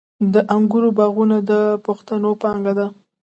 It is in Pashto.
د انګورو باغونه د پښتنو پانګه ده.